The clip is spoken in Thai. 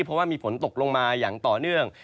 เพราะว่ามีฝนตกลงมาอย่างต่อเนื่อง